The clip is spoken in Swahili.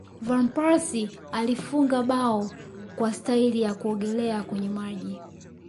van persie alifunga bao kwa staili ya kuogelea kwenye maji